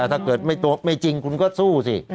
ถ้าเกิดไม่จริงคุณก็สู้สิ